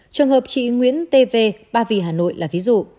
trường hợp chị nguyễn t v ba vị hà nội là ví dụ